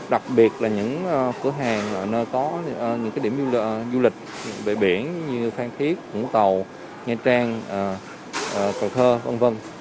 đặc biệt là những cửa hàng nơi có những điểm du lịch về biển như phan thiết vũng tàu nha trang cần thơ v v